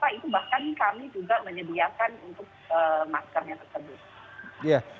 itu bahkan kami juga menyediakan untuk maskernya tersebut